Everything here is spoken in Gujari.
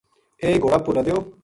ایک گھوڑا پو لَدیو